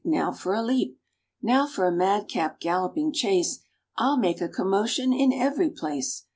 now for a leap! Now for a madcap galloping chase! I'll make a commotion in every place!"